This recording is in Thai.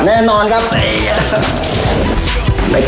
แน่นอนครับ